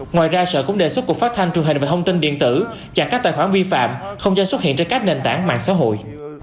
ngoài ra sở cũng đề xuất cục phát thanh truyền hình về thông tin điện tử chặn các tài khoản vi phạm không cho xuất hiện trên các nền tảng mạng xã hội